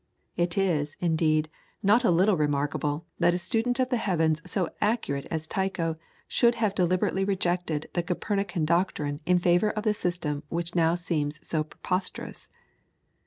It is, indeed, not a little remarkable that a student of the heavens so accurate as Tycho should have deliberately rejected the Copernican doctrine in favour of the system which now seems so preposterous.